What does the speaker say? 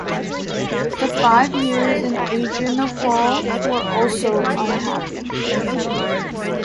The five years in Adrianople were also unhappy.